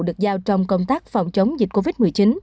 được giao trong công tác phòng chống dịch covid một mươi chín